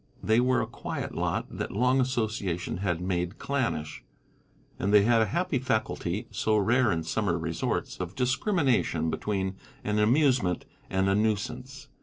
They were a quiet lot that long association had made clannish; and they had a happy faculty, so rare in summer resorts, of discrimination between an amusement and a nuisance.